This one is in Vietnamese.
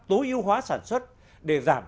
tối ưu hóa sản xuất để giảm